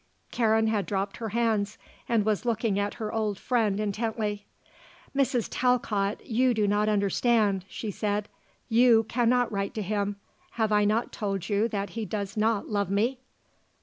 Karen had dropped her hands and was looking at her old friend intently. "Mrs. Talcott, you do not understand," she said. "You cannot write to him. Have I not told you that he does not love me?"